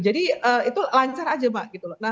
jadi itu lancar aja mbak gitu loh